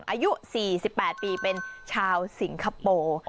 อายุ๔๘ปีเป็นชาวสิงคโปร์